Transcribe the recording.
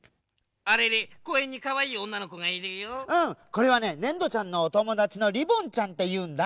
これはねねんどちゃんのおともだちのりぼんちゃんっていうんだ。